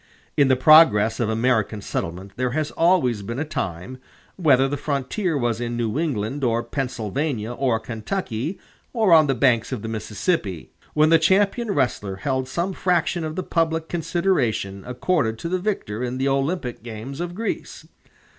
In the progress of American settlement there has always been a time, whether the frontier was in New England or Pennsylvania or Kentucky, or on the banks of the Mississippi, when the champion wrestler held some fraction of the public consideration accorded to the victor in the Olympic games of Greece.